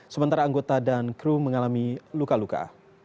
sementara anggota dan kru mengalami luka luka